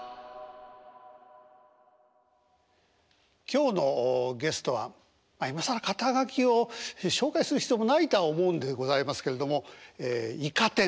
今日のゲストはまあ今更肩書を紹介する必要もないとは思うんでございますけれどもええ「イカ天」